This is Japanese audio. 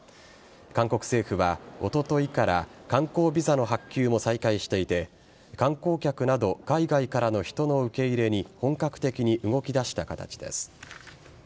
韓国政府はおとといから観光ビザの発給も再開していて観光客など海外からの人の受け入れに本格的に動き出した形です。